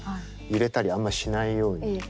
揺れたりあんましないように。